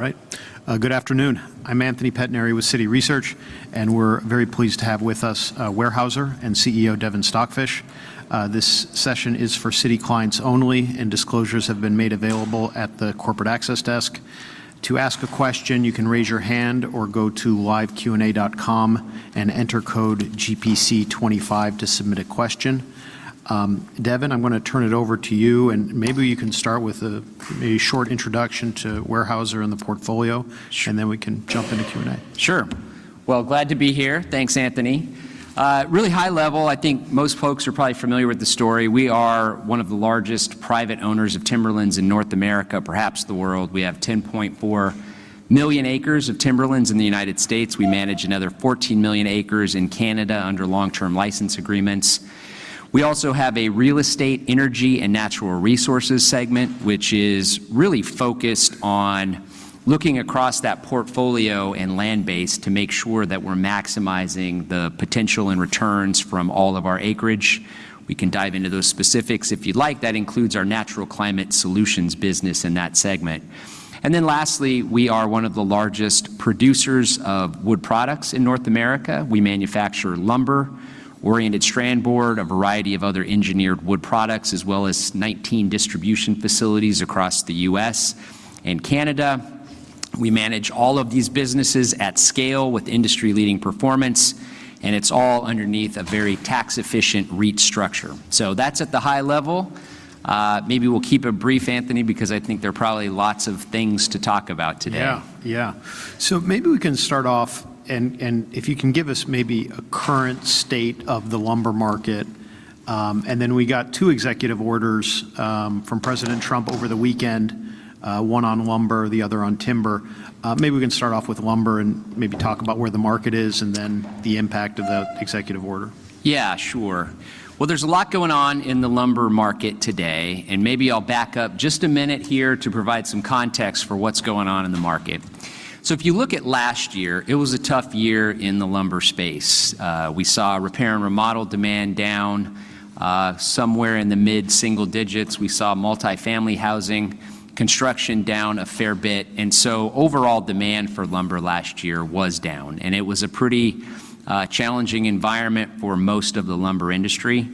All right, good afternoon. I'm Anthony Pettinari with Citi Research, and we're very pleased to have with us Weyerhaeuser and CEO Devin Stockfish. This session is for Citi clients only, and disclosures have been made available at the corporate access desk. To ask a question, you can raise your hand or go to liveqna.com and enter code GPC25 to submit a question. Devin, I'm going to turn it over to you, and maybe you can start with a short introduction to Weyerhaeuser and the portfolio, and then we can jump into Q&A. Sure. Well, glad to be here. Thanks, Anthony. Really high level, I think most folks are probably familiar with the story. We are one of the largest private owners of timberlands in North America, perhaps the world. We have 10,400,000 acres of timberlands in the United States. We manage another 14,000,000 acres in Canada under long-term license agreements. We also have a Real Estate, Energy, and Natural Resources segment, which is really focused on looking across that portfolio and land base to make sure that we're maximizing the potential and returns from all of our acreage. We can dive into those specifics if you'd like. That includes our Natural Climate Solutions business in that segment. And then lastly, we are one of the largest producers of wood products in North America.We manufacture lumber, oriented strand board, a variety of other engineered wood products, as well as 19 distribution facilities across the U.S. and Canada. We manage all of these businesses at scale with industry-leading performance, and it's all underneath a very tax-efficient REIT structure. So that's at the high level. Maybe we'll keep it brief, Anthony, because I think there are probably lots of things to talk about today. Yeah, yeah. So maybe we can start off, and if you can give us maybe a current state of the lumber market? And then we got two executive orders from President Trump over the weekend, one on lumber, the other on timber. Maybe we can start off with lumber and maybe talk about where the market is and then the impact of that executive order. Yeah, sure, well, there's a lot going on in the lumber market today, and maybe I'll back up just a minute here to provide some context for what's going on in the market, so if you look at last year, it was a tough year in the lumber space. We saw repair and remodel demand down somewhere in the mid-single digits. We saw multi-family housing construction down a fair bit, and so overall demand for lumber last year was down, and it was a pretty challenging environment for most of the lumber industry.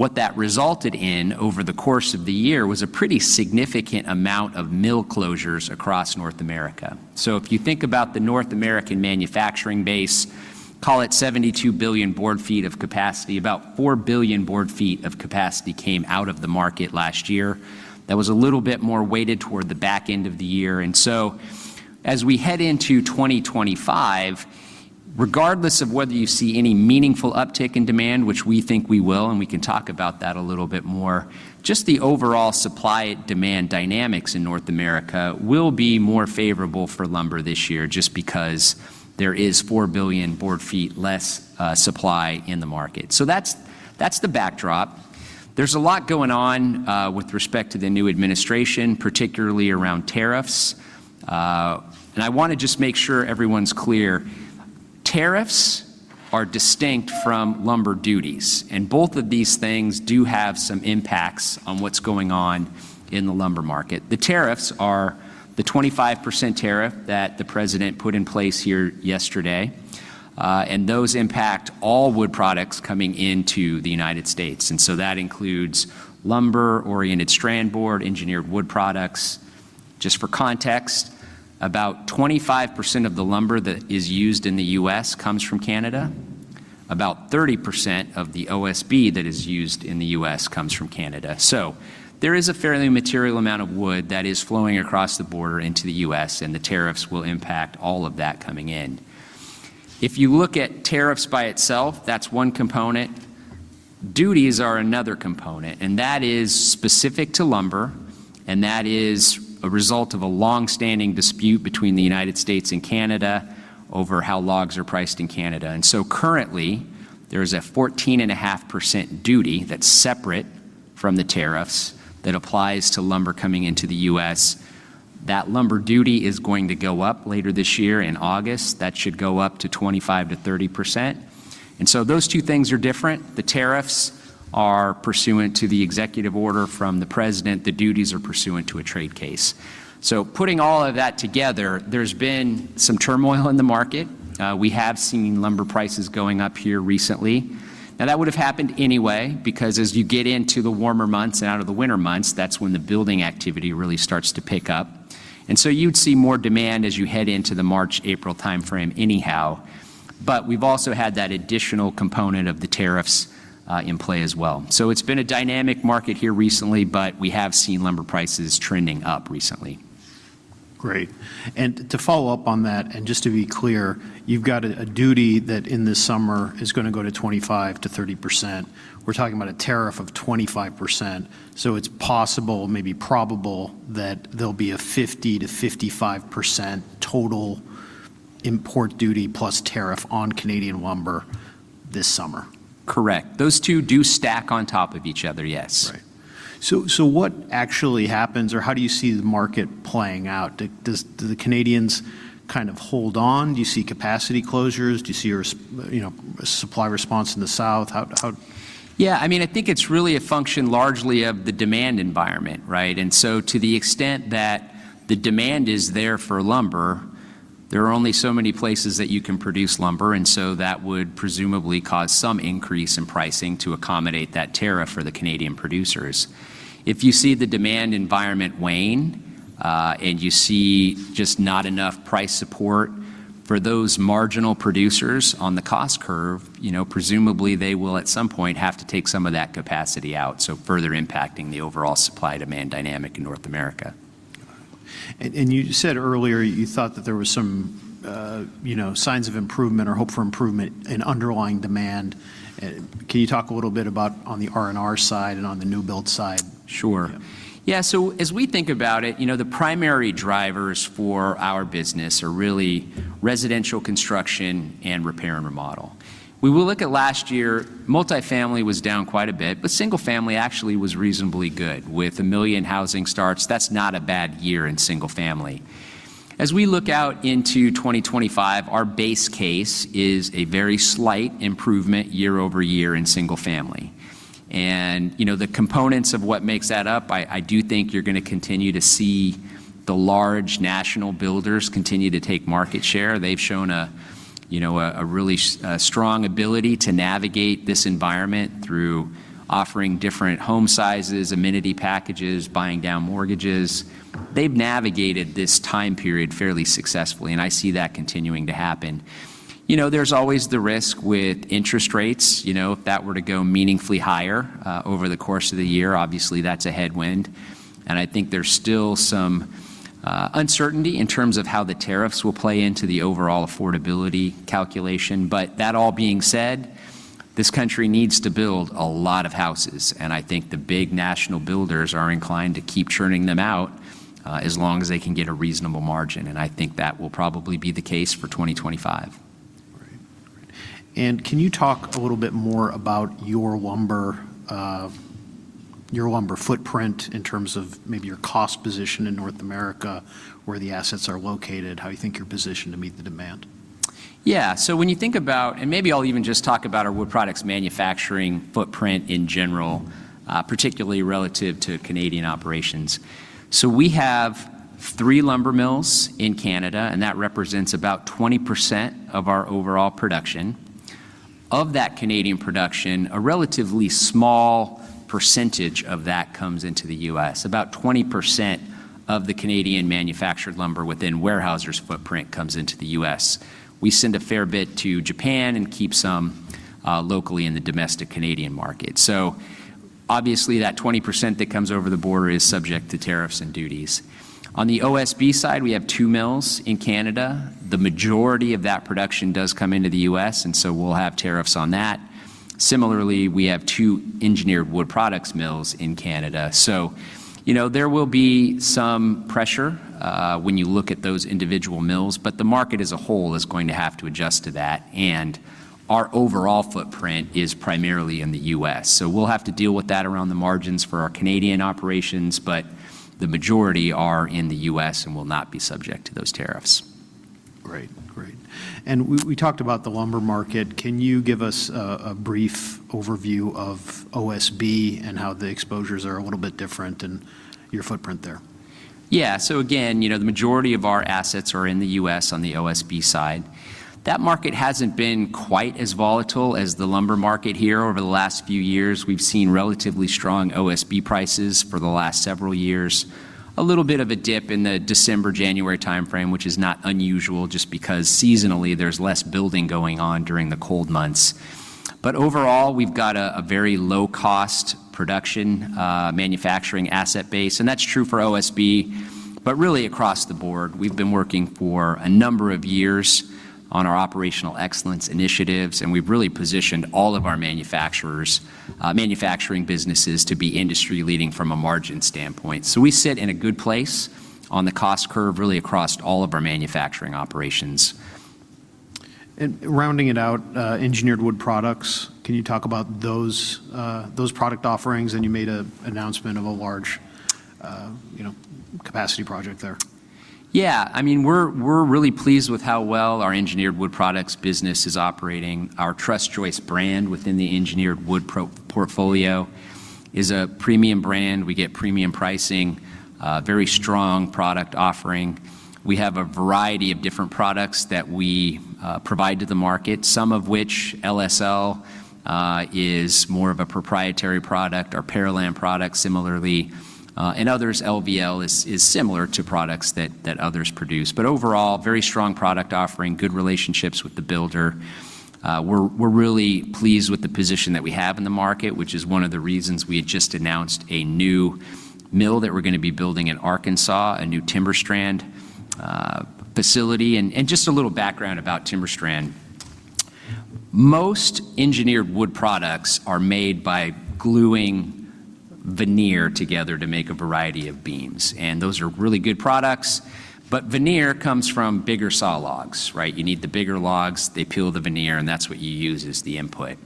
What that resulted in over the course of the year was a pretty significant amount of mill closures across North America, so if you think about the North American manufacturing base, call it 72,000,000,000 board feet of capacity, about 4,000,000,000 board feet of capacity came out of the market last year. That was a little bit more weighted toward the back end of the year. And so as we head into 2025, regardless of whether you see any meaningful uptick in demand, which we think we will, and we can talk about that a little bit more, just the overall supply-demand dynamics in North America will be more favorable for lumber this year just because there is 4,000,000,000 board feet less supply in the market. So that's the backdrop. There's a lot going on with respect to the new administration, particularly around tariffs. And I want to just make sure everyone's clear. Tariffs are distinct from lumber duties, and both of these things do have some impacts on what's going on in the lumber market. The tariffs are the 25% tariff that the president put in place here yesterday, and those impact all wood products coming into the United States.That includes lumber, oriented strand board, engineered wood products. Just for context, about 25% of the lumber that is used in the U.S. comes from Canada. About 30% of the OSB that is used in the U.S. comes from Canada. So there is a fairly material amount of wood that is flowing across the border into the U.S., and the tariffs will impact all of that coming in. If you look at tariffs by itself, that's one component. Duties are another component, and that is specific to lumber, and that is a result of a long-standing dispute between the United States and Canada over how logs are priced in Canada. Currently, there is a 14.5% duty that's separate from the tariffs that applies to lumber coming into the U.S. That lumber duty is going to go up later this year in August.That should go up to 25%-30%. And so those two things are different. The tariffs are pursuant to the executive order from the President.The duties are pursuant to a trade case. So putting all of that together, there's been some turmoil in the market. We have seen lumber prices going up here recently. Now, that would have happened anyway because as you get into the warmer months and out of the winter months, that's when the building activity really starts to pick up. And so you'd see more demand as you head into the March-April timeframe anyhow. But we've also had that additional component of the tariffs in play as well. So it's been a dynamic market here recently, but we have seen lumber prices trending up recently. Great. And to follow up on that, and just to be clear, you've got a duty that in this summer is going to go to 25%-30%. We're talking about a tariff of 25%. So it's possible, maybe probable, that there'll be a 50%-55% total import duty plus tariff on Canadian lumber this summer. Correct. Those two do stack on top of each other, yes. Right. So what actually happens, or how do you see the market playing out? Do the Canadians kind of hold on? Do you see capacity closures? Do you see a supply response in the South? Yeah, I mean, I think it's really a function largely of the demand environment, right? And so to the extent that the demand is there for lumber, there are only so many places that you can produce lumber, and so that would presumably cause some increase in pricing to accommodate that tariff for the Canadian producers. If you see the demand environment wane, and you see just not enough price support for those marginal producers on the cost curve, presumably they will at some point have to take some of that capacity out, so further impacting the overall supply-demand dynamic in North America. You said earlier you thought that there were some signs of improvement or hope for improvement in underlying demand. Can you talk a little bit about on the R&R side and on the new build side? Sure. Yeah, so as we think about it, the primary drivers for our business are really residential construction and repair and remodel. We will look at last year. Multi-family was down quite a bit, but single-family actually was reasonably good with a 1,000,000 housing starts. That's not a bad year in single-family. As we look out into 2025, our base case is a very slight improvement year over year in single-family. And the components of what makes that up, I do think you're going to continue to see the large national builders continue to take market share. They've shown a really strong ability to navigate this environment through offering different home sizes, amenity packages, buying down mortgages. They've navigated this time period fairly successfully, and I see that continuing to happen. There's always the risk with interest rates. If that were to go meaningfully higher over the course of the year, obviously that's a headwind. And I think there's still some uncertainty in terms of how the tariffs will play into the overall affordability calculation. But that all being said, this country needs to build a lot of houses, and I think the big national builders are inclined to keep churning them out as long as they can get a reasonable margin, and I think that will probably be the case for 2025. Right. And can you talk a little bit more about your lumber footprint in terms of maybe your cost position in North America, where the assets are located, how you think you're positioned to meet the demand? Yeah. So when you think about, and maybe I'll even just talk about our wood products manufacturing footprint in general, particularly relative to Canadian operations. So we have three lumber mills in Canada, and that represents about 20% of our overall production. Of that Canadian production, a relatively small percentage of that comes into the U.S. About 20% of the Canadian manufactured lumber within Weyerhaeuser's footprint comes into the U.S. We send a fair bit to Japan and keep some locally in the domestic Canadian market. So obviously that 20% that comes over the border is subject to tariffs and duties. On the OSB side, we have two mills in Canada. The majority of that production does come into the U.S., and so we'll have tariffs on that. Similarly, we have two engineered wood products mills in Canada.So there will be some pressure when you look at those individual mills, but the market as a whole is going to have to adjust to that. And our overall footprint is primarily in the U.S. So we'll have to deal with that around the margins for our Canadian operations, but the majority are in the U.S. and will not be subject to those tariffs. Great, great. And we talked about the lumber market. Can you give us a brief overview of OSB and how the exposures are a little bit different and your footprint there? Yeah. So again, the majority of our assets are in the U.S. on the OSB side. That market hasn't been quite as volatile as the lumber market here. Over the last few years, we've seen relatively strong OSB prices for the last several years. A little bit of a dip in the December-January timeframe, which is not unusual just because seasonally there's less building going on during the cold months. But overall, we've got a very low-cost production manufacturing asset base, and that's true for OSB, but really across the board. We've been working for a number of years on our Operational Excellence initiatives, and we've really positioned all of our manufacturing businesses to be industry-leading from a margin standpoint. So we sit in a good place on the cost curve really across all of our manufacturing operations. And rounding it out, engineered wood products. Can you talk about those product offerings? And you made an announcement of a large capacity project there. Yeah. I mean, we're really pleased with how well our engineered wood products business is operating. Our Trus Joist brand within the engineered wood portfolio is a premium brand. We get premium pricing, very strong product offering. We have a variety of different products that we provide to the market, some of which LSL is more of a proprietary product, our Parallam product similarly, and others, LVL is similar to products that others produce. But overall, very strong product offering, good relationships with the builder. We're really pleased with the position that we have in the market, which is one of the reasons we had just announced a new mill that we're going to be building in Arkansas, a new TimberStrand facility. And just a little background about TimberStrand.Most engineered wood products are made by gluing veneer together to make a variety of beams, and those are really good products. But veneer comes from bigger sawlogs, right? You need the bigger logs, they peel the veneer, and that's what you use as the input.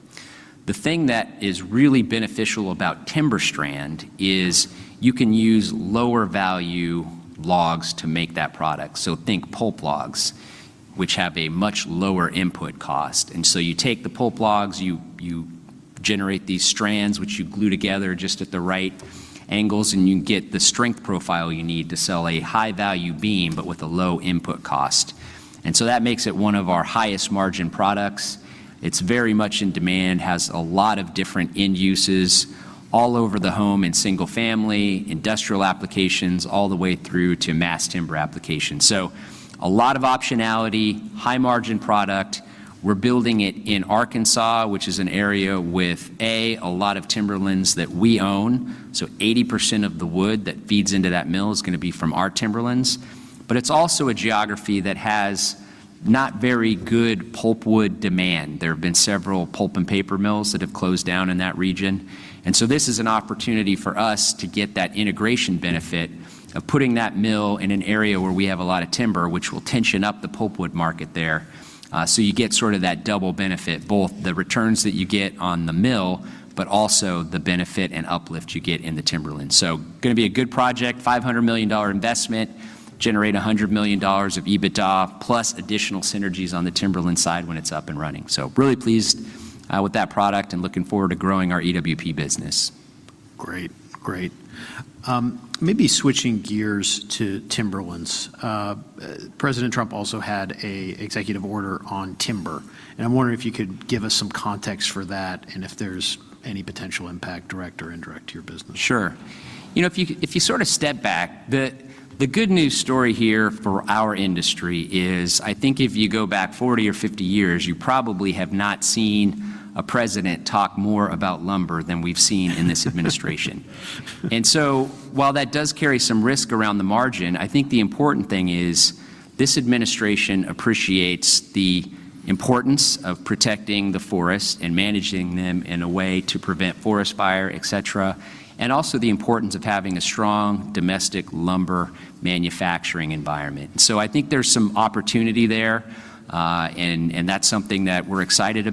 The thing that is really beneficial about TimberStrand is you can use lower value logs to make that product. So think pulp logs, which have a much lower input cost. And so you take the pulp logs, you generate these strands, which you glue together just at the right angles, and you get the strength profile you need to sell a high-value beam, but with a low input cost. And so that makes it one of our highest margin products. It's very much in demand, has a lot of different end uses all over the home and single-family, industrial applications, all the way through to mass timber applications. So a lot of optionality, high-margin product. We're building it in Arkansas, which is an area with a lot of timberlands that we own. So 80% of the wood that feeds into that mill is going to be from our timberlands. But it's also a geography that has not very good pulpwood demand. There have been several pulp and paper mills that have closed down in that region. And so this is an opportunity for us to get that integration benefit of putting that mill in an area where we have a lot of timber, which will tension up the pulpwood market there. So you get sort of that double benefit, both the returns that you get on the mill, but also the benefit and uplift you get in the timberland. So going to be a good project, $500,000,000 investment, generate $100,000,000 of EBITDA plus additional synergies on the timberland side when it's up and running. So really pleased with that product and looking forward to growing our EWP business. Great, great. Maybe switching gears to timberlands. President Trump also had an executive order on timber, and I'm wondering if you could give us some context for that and if there's any potential impact direct or indirect to your business. Sure. If you sort of step back, the good news story here for our industry is I think if you go back 40 or 50 years, you probably have not seen a president talk more about lumber than we've seen in this administration. And so while that does carry some risk around the margin, I think the important thing is this administration appreciates the importance of protecting the forest and managing them in a way to prevent forest fire, etc., and also the importance of having a strong domestic lumber manufacturing environment. So I think there's some opportunity there, and that's something that we're excited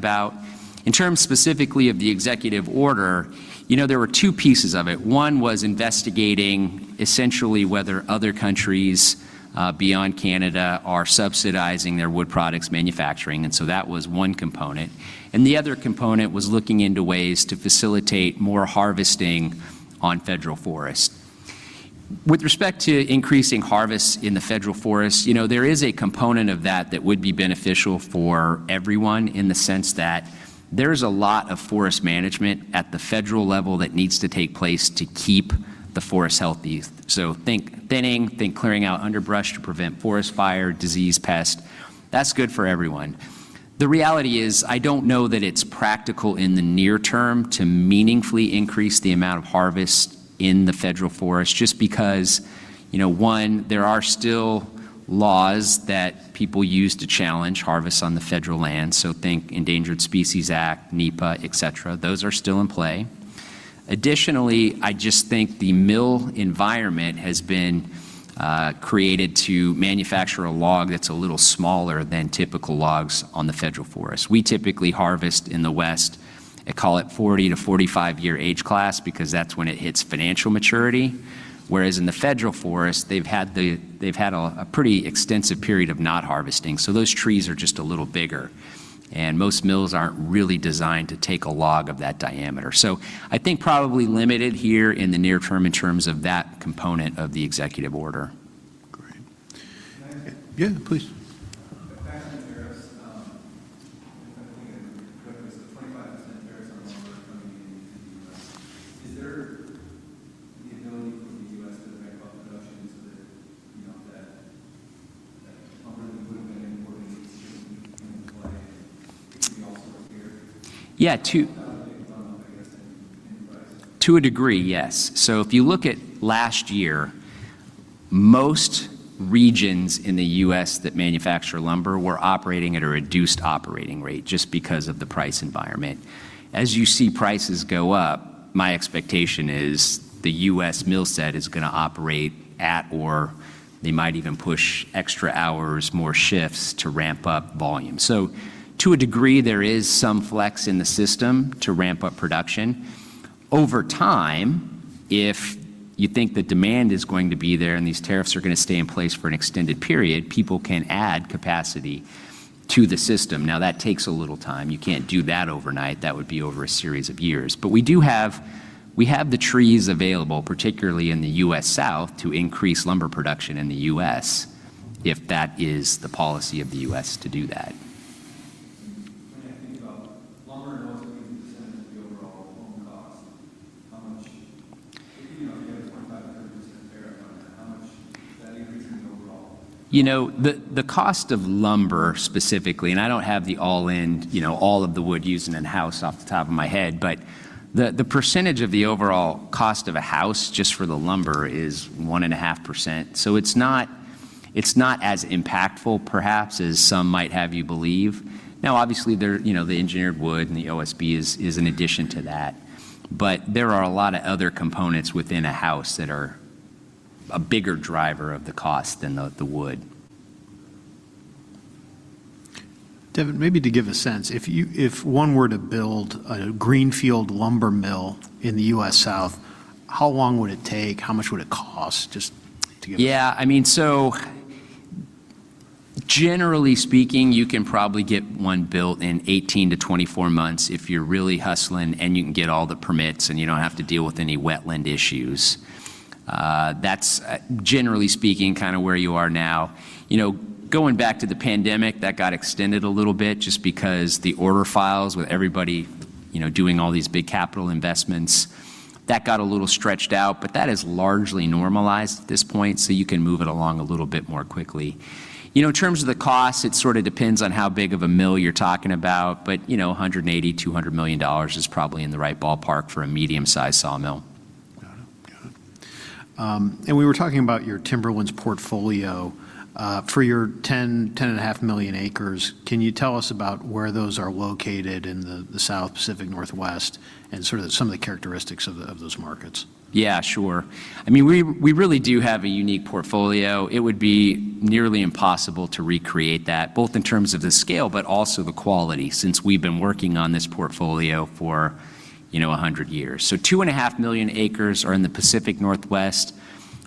about.In terms specifically of the executive order, there were two pieces of it. One was investigating essentially whether other countries beyond Canada are subsidizing their wood products manufacturing, and so that was one component. The other component was looking into ways to facilitate more harvesting on federal forest. With respect to increasing harvests in the federal forest, there is a component of that that would be beneficial for everyone in the sense that there is a lot of forest management at the federal level that needs to take place to keep the forest healthy. So think thinning, think clearing out underbrush to prevent forest fire, disease, pest. That's good for everyone. The reality is I don't know that it's practical in the near term to meaningfully increase the amount of harvest in the federal forest just because, one, there are still laws that people use to challenge harvests on the federal land. So think Endangered Species Act, NEPA, etc. Those are still in play. Additionally, I just think the mill environment has been created to manufacture a log that's a little smaller than typical logs on the federal forest. We typically harvest in the West, I call it 40- 45-year age class because that's when it hits financial maturity, whereas in the federal forest, they've had a pretty extensive period of not harvesting. So those trees are just a little bigger, and most mills aren't really designed to take a log of that diameter. So I think probably limited here in the near term in terms of that component of the executive order. Great. Yeah, please. The tax on tariffs, the 25% tariffs on lumber coming into the U.S., is there the ability for the U.S. to ramp up production so that lumber that would have been imported shouldn't come into play? It could be all sorts here. Yeah.To a degree, yes. To a degree, yes. So if you look at last year, most regions in the U.S. that manufacture lumber were operating at a reduced operating rate just because of the price environment. As you see prices go up, my expectation is the U.S. mill set is going to operate at or they might even push extra hours, more shifts to ramp up volume. So to a degree, there is some flex in the system to ramp up production. Over time, if you think the demand is going to be there and these tariffs are going to stay in place for an extended period, people can add capacity to the system. Now, that takes a little time. You can't do that overnight. That would be over a series of years. But we have the trees available, particularly in the U.S. South, to increase lumber production in the U.S. if that is the policy of the U.S. to do that. When I think about lumber and OSB, the percentage of the overall home cost, how much [inaudible] if you have a 25%-30% tariff on that, how much is that increasing the overall? The cost of lumber specifically, and I don't have the all-in, all of the wood used in a house off the top of my head, but the percentage of the overall cost of a house just for the lumber is 1.5%. So it's not as impactful perhaps as some might have you believe. Now, obviously, the engineered wood and the OSB is an addition to that, but there are a lot of other components within a house that are a bigger driver of the cost than the wood. Devin, maybe to give a sense, if one were to build a greenfield lumber mill in the US South, how long would it take? How much would it cost? Just to give a. Yeah. I mean, so generally speaking, you can probably get one built in 18 to 24 months if you're really hustling and you can get all the permits and you don't have to deal with any wetland issues. That's generally speaking kind of where you are now. Going back to the pandemic, that got extended a little bit just because the order files with everybody doing all these big capital investments, that got a little stretched out, but that has largely normalized at this point, so you can move it along a little bit more quickly. In terms of the cost, it sort of depends on how big of a mill you're talking about, but $180,000,000-$200,000,000 is probably in the right ballpark for a medium-sized saw mill. Got it. Got it. And we were talking about your timberlands portfolio. For your 10,000,000-10,500,000 acres, can you tell us about where those are located in the South, Pacific Northwest, and sort of some of the characteristics of those markets? Yeah, sure. I mean, we really do have a unique portfolio. It would be nearly impossible to recreate that, both in terms of the scale, but also the quality since we've been working on this portfolio for 100 years. So 2,500,000 acres are in the Pacific Northwest.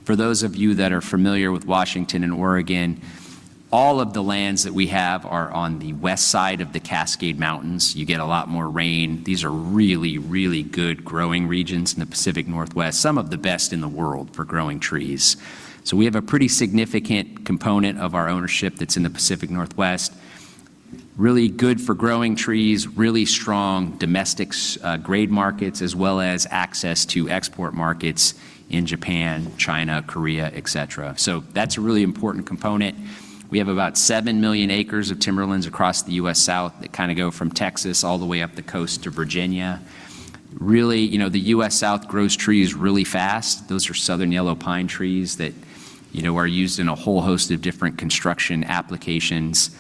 For those of you that are familiar with Washington and Oregon, all of the lands that we have are on the west side of the Cascade Mountains. You get a lot more rain. These are really, really good growing regions in the Pacific Northwest, some of the best in the world for growing trees. So we have a pretty significant component of our ownership that's in the Pacific Northwest, really good for growing trees, really strong domestic-grade markets, as well as access to export markets in Japan, China, Korea, etc. So that's a really important component. We have about 7,000,000 acres of timberlands across the U.S. South that kind of go from Texas all the way up the coast to Virginia. Really, the U.S. South grows trees really fast. Those are Southern Yellow Pine trees that are used in a whole host of different construction applications,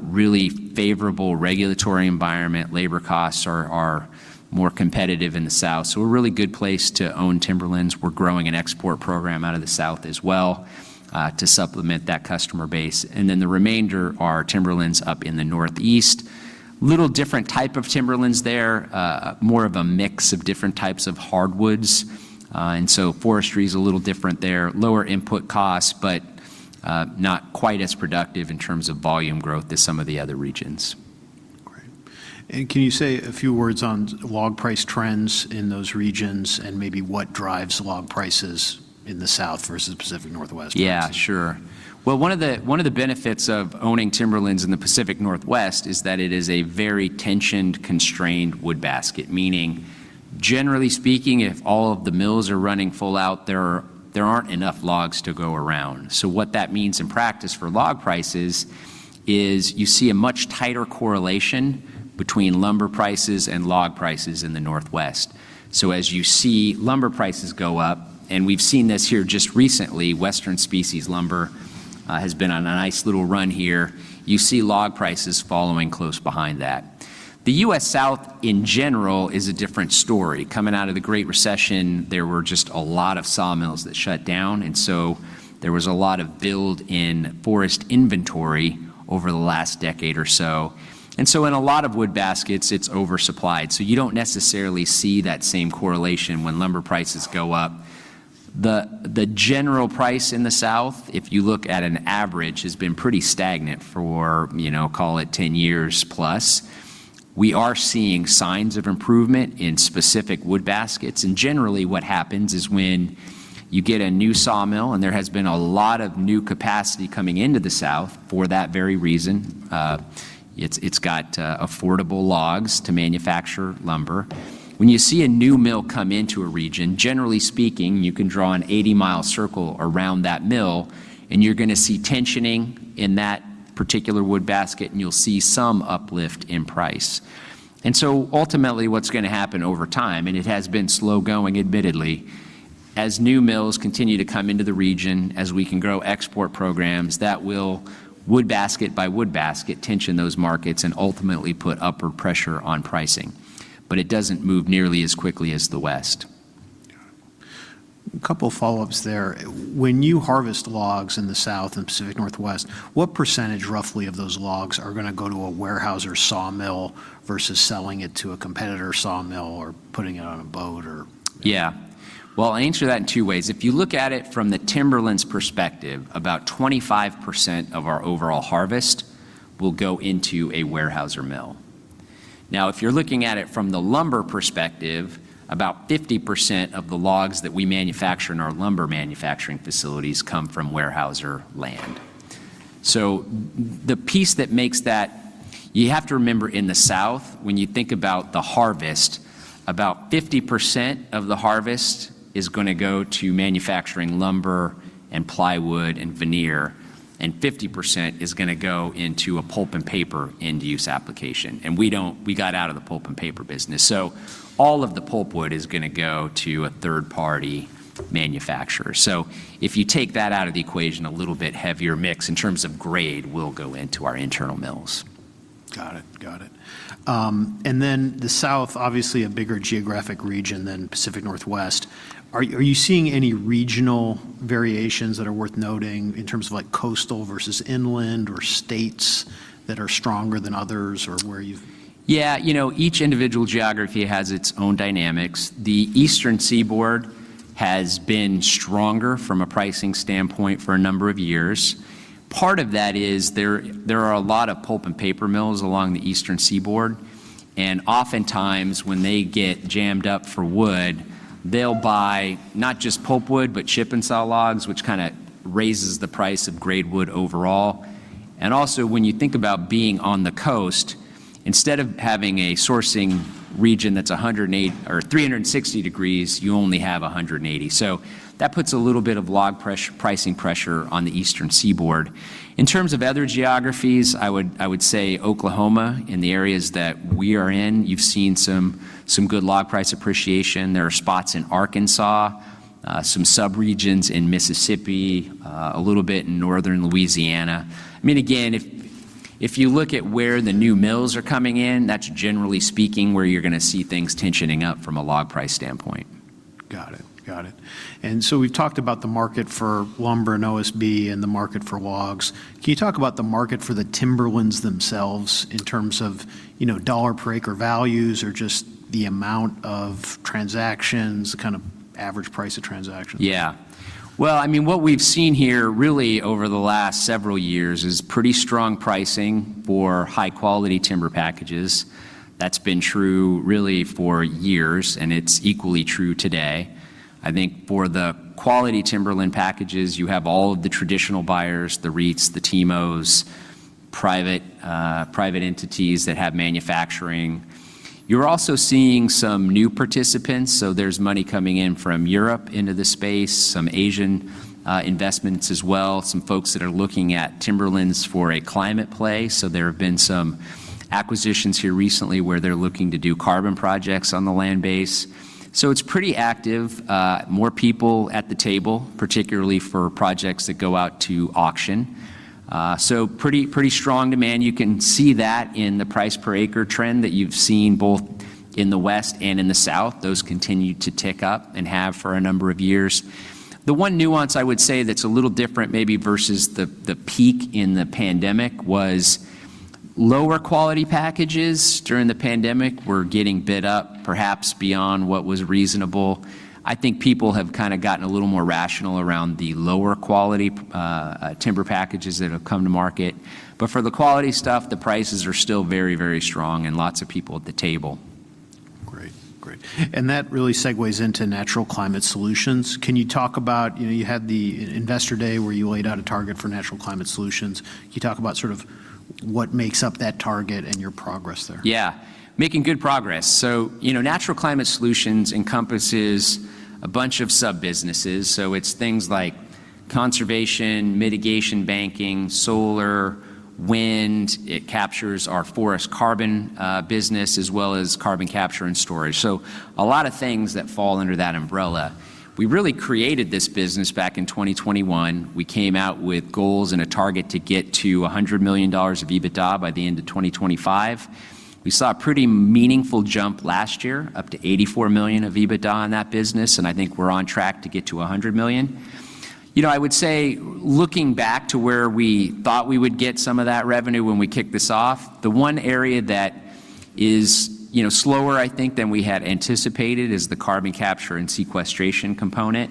really favorable regulatory environment. Labor costs are more competitive in the South, so a really good place to own timberlands. We're growing an export program out of the South as well to supplement that customer base. And then the remainder are timberlands up in the Northeast, a little different type of timberlands there, more of a mix of different types of hardwoods. And so forestry is a little different there, lower input costs, but not quite as productive in terms of volume growth as some of the other regions. Great. And can you say a few words on log price trends in those regions and maybe what drives log prices in the South versus Pacific Northwest? Yeah, sure. Well, one of the benefits of owning timberlands in the Pacific Northwest is that it is a very tensioned, constrained wood basket, meaning generally speaking, if all of the mills are running full out, there aren't enough logs to go around. So what that means in practice for log prices is you see a much tighter correlation between lumber prices and log prices in the Northwest. So as you see lumber prices go up, and we've seen this here just recently, western species lumber has been on a nice little run here, you see log prices following close behind that. The U.S. South in general is a different story. Coming out of the Great Recession, there were just a lot of sawmills that shut down, and so there was a lot of buildup in forest inventory over the last decade or so. And so in a lot of wood baskets, it's oversupplied. So you don't necessarily see that same correlation when lumber prices go up. The general price in the South, if you look at an average, has been pretty stagnant for, call it 10 years plus. We are seeing signs of improvement in specific wood baskets. And generally, what happens is when you get a new sawmill, and there has been a lot of new capacity coming into the South for that very reason, it's got affordable logs to manufacture lumber. When you see a new mill come into a region, generally speaking, you can draw an 80-mile circle around that mill, and you're going to see tensioning in that particular wood basket, and you'll see some uplift in price. And so ultimately, what's going to happen over time, and it has been slow going, admittedly, as new mills continue to come into the region, as we can grow export programs, that will wood basket by wood basket tighten those markets and ultimately put upward pressure on pricing. But it doesn't move nearly as quickly as the West. Got it. A couple of follow-ups there. When you harvest logs in the South and Pacific Northwest, what percentage roughly of those logs are going to go to a warehouse or sawmill versus selling it to a competitor sawmill or putting it on a boat or? Yeah. Well, I'll answer that in two ways. If you look at it from the timberlands perspective, about 25% of our overall harvest will go into a warehouse or mill. Now, if you're looking at it from the lumber perspective, about 50% of the logs that we manufacture in our lumber manufacturing facilities come from warehouse or land. So the piece that makes that you have to remember in the South, when you think about the harvest, about 50% of the harvest is going to go to manufacturing lumber and plywood and veneer, and 50% is going to go into a pulp and paper end-use application. And we got out of the pulp and paper business. So all of the pulp wood is going to go to a third-party manufacturer. So if you take that out of the equation, a little bit heavier mix in terms of grade will go into our internal mills. Got it. Got it. And then the South, obviously a bigger geographic region than Pacific Northwest, are you seeing any regional variations that are worth noting in terms of coastal versus inland or states that are stronger than others or where you've? Yeah. Each individual geography has its own dynamics. The Eastern Seaboard has been stronger from a pricing standpoint for a number of years. Part of that is there are a lot of pulp and paper mills along the Eastern Seaboard. And oftentimes, when they get jammed up for wood, they'll buy not just pulp wood, but Chip-N-Saw logs, which kind of raises the price of grade wood overall. And also, when you think about being on the coast, instead of having a sourcing region that's 360 degrees, you only have 180 degrees. So that puts a little bit of log pricing pressure on the Eastern Seaboard. In terms of other geographies, I would say Oklahoma in the areas that we are in, you've seen some good log price appreciation. There are spots in Arkansas, some sub-regions in Mississippi, a little bit in northern Louisiana.I mean, again, if you look at where the new mills are coming in, that's generally speaking where you're going to see things tensioning up from a log price standpoint. Got it. Got it. And so we've talked about the market for lumber and OSB and the market for logs. Can you talk about the market for the timberlands themselves in terms of dollar-per-acre values or just the amount of transactions, kind of average price of transactions? Yeah. Well, I mean, what we've seen here really over the last several years is pretty strong pricing for high-quality timber packages. That's been true really for years, and it's equally true today. I think for the quality timberland packages, you have all of the traditional buyers, the REITs, the TIMOs, private entities that have manufacturing. You're also seeing some new participants. So there's money coming in from Europe into the space, some Asian investments as well, some folks that are looking at timberlands for a climate play. So there have been some acquisitions here recently where they're looking to do carbon projects on the land base. So it's pretty active, more people at the table, particularly for projects that go out to auction. So pretty strong demand. You can see that in the price per acre trend that you've seen both in the west and in the south. Those continue to tick up and have for a number of years. The one nuance I would say that's a little different maybe versus the peak in the pandemic was lower quality packages during the pandemic were getting bid up perhaps beyond what was reasonable. I think people have kind of gotten a little more rational around the lower quality timber packages that have come to market. But for the quality stuff, the prices are still very, very strong and lots of people at the table. Great. Great. And that really segues into Natural Climate Solutions. Can you talk about you had the investor day where you laid out a target for Natural Climate Solutions? Can you talk about sort of what makes up that target and your progress there? Yeah. Making good progress. So Natural Climate Solutions encompasses a bunch of sub-businesses. So it's things like conservation, mitigation banking, solar, wind. It captures our forest carbon business as well as carbon capture and storage. So a lot of things that fall under that umbrella. We really created this business back in 2021. We came out with goals and a target to get to $100,000,000 of EBITDA by the end of 2025. We saw a pretty meaningful jump last year, up to $84,000,000 of EBITDA in that business, and I think we're on track to get to $100,000,000.I would say looking back to where we thought we would get some of that revenue when we kicked this off, the one area that is slower, I think, than we had anticipated is the carbon capture and sequestration component.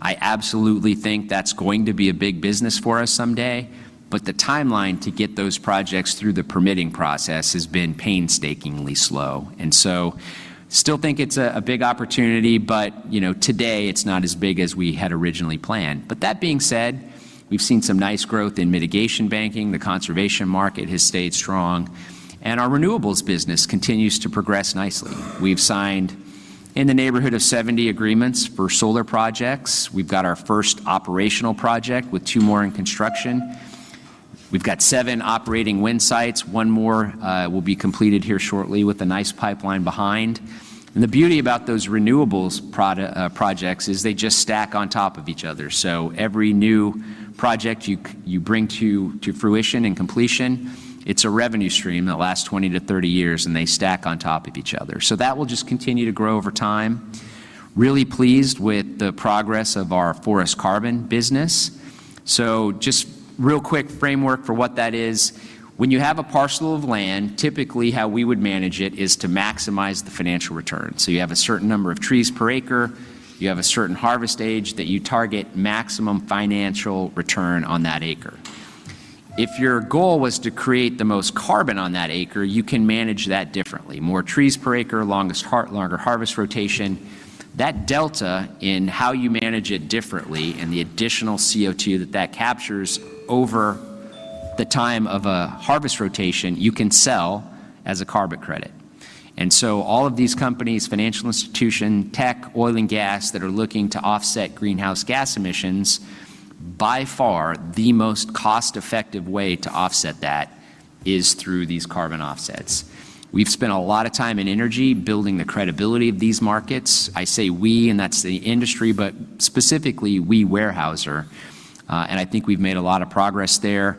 I absolutely think that's going to be a big business for us someday, but the timeline to get those projects through the permitting process has been painstakingly slow, and so I still think it's a big opportunity, but today it's not as big as we had originally planned, but that being said, we've seen some nice growth in mitigation banking. The conservation market has stayed strong, and our renewables business continues to progress nicely. We've signed in the neighborhood of 70 agreements for solar projects. We've got our first operational project with two more in construction. We've got seven operating wind sites. One more will be completed here shortly with a nice pipeline behind, and the beauty about those renewables projects is they just stack on top of each otherEvery new project you bring to fruition and completion, it's a revenue stream that lasts 20-30 years, and they stack on top of each other. So that will just continue to grow over time. Really pleased with the progress of our forest carbon business. So just real quick framework for what that is. When you have a parcel of land, typically how we would manage it is to maximize the financial return. So you have a certain number of trees per acre, you have a certain harvest age that you target maximum financial return on that acre. If your goal was to create the most carbon on that acre, you can manage that differently. More trees per acre, longer harvest rotation. That delta in how you manage it differently and the additional CO2 that that captures over the time of a harvest rotation, you can sell as a carbon credit. So all of these companies, financial institution, tech, oil and gas that are looking to offset greenhouse gas emissions, by far the most cost-effective way to offset that is through these carbon offsets. We've spent a lot of time and energy building the credibility of these markets. I say we, and that's the industry, but specifically we Weyerhaeuser, and I think we've made a lot of progress there.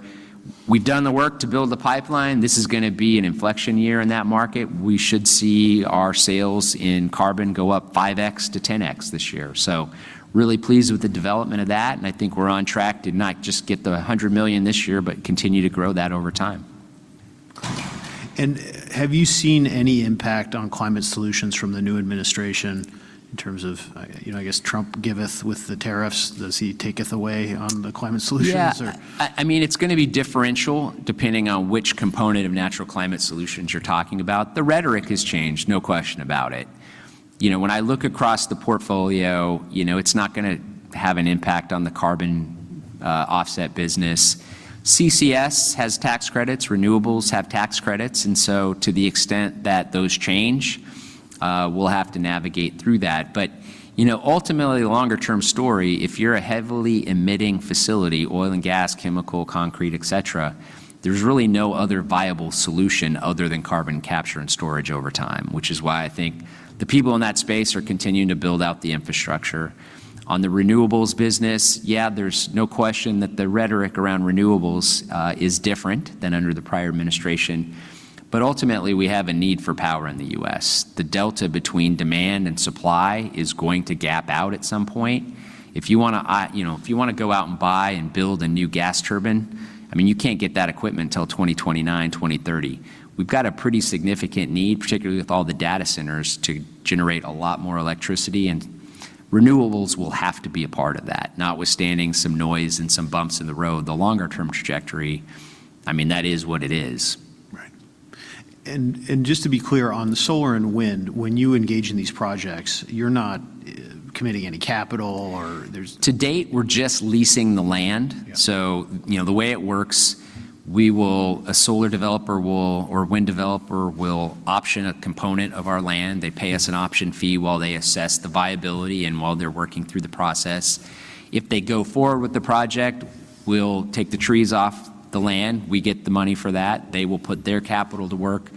We've done the work to build the pipeline. This is going to be an inflection year in that market. We should see our sales in carbon go up 5x to 10x this year. So really pleased with the development of that, and I think we're on track to not just get the $100,000,000 this year, but continue to grow that over time. And have you seen any impact on climate solutions from the new administration in terms of, I guess, Trump giveth with the tariffs? Does he take it away on the climate solutions? Yeah. I mean, it's going to be differential depending on which component of Natural Climate Solutions you're talking about. The rhetoric has changed, no question about it. When I look across the portfolio, it's not going to have an impact on the carbon offset business. CCS has tax credits, renewables have tax credits, and so to the extent that those change, we'll have to navigate through that. But ultimately, longer-term story, if you're a heavily emitting facility, oil and gas, chemical, concrete, etc., there's really no other viable solution other than carbon capture and storage over time, which is why I think the people in that space are continuing to build out the infrastructure. On the renewables business, yeah, there's no question that the rhetoric around renewables is different than under the prior administration. But ultimately, we have a need for power in the U.S.The delta between demand and supply is going to gap out at some point. If you want to go out and buy and build a new gas turbine, I mean, you can't get that equipment until 2029, 2030. We've got a pretty significant need, particularly with all the data centers, to generate a lot more electricity, and renewables will have to be a part of that, notwithstanding some noise and some bumps in the road. The longer-term trajectory, I mean, that is what it is. Right. And just to be clear on the solar and wind, when you engage in these projects, you're not committing any capital or there's. To date, we're just leasing the land. So the way it works, a solar developer or wind developer will option a component of our land. They pay us an option fee while they assess the viability and while they're working through the process. If they go forward with the project, we'll take the trees off the land. We get the money for that. They will put their capital to work,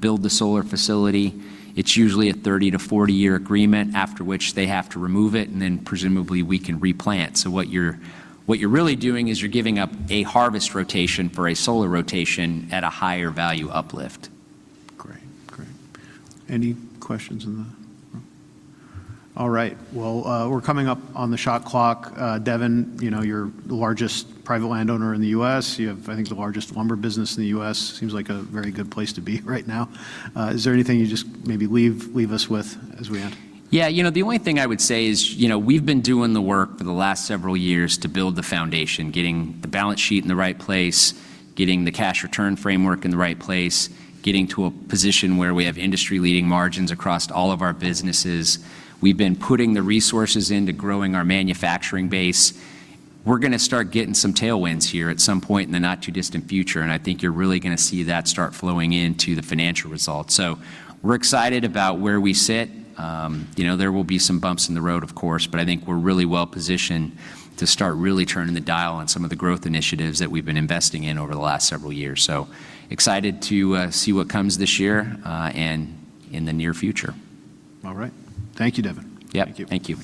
build the solar facility. It's usually a 30- to 40-year agreement after which they have to remove it, and then presumably we can replant. So what you're really doing is you're giving up a harvest rotation for a solar rotation at a higher value uplift. Great, great. Any questions in the room? All right. Well, we're coming up on the shot clock. Devin, you're the largest private landowner in the U.S. You have, I think, the largest lumber business in the U.S. Seems like a very good place to be right now. Is there anything you just maybe leave us with as we end? Yeah. The only thing I would say is we've been doing the work for the last several years to build the foundation, getting the balance sheet in the right place, getting the cash return framework in the right place, getting to a position where we have industry-leading margins across all of our businesses. We've been putting the resources into growing our manufacturing base. We're going to start getting some tailwinds here at some point in the not-too-distant future, and I think you're really going to see that start flowing into the financial results. So we're excited about where we sit. There will be some bumps in the road, of course, but I think we're really well-positioned to start really turning the dial on some of the growth initiatives that we've been investing in over the last several years. So excited to see what comes this year and in the near future. All right. Thank you, Devin. Yep. Thank you. Thank you.